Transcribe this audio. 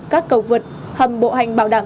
các cầu vượt hầm bộ hành bảo đảm